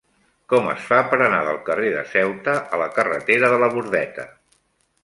Com es fa per anar del carrer de Ceuta a la carretera de la Bordeta?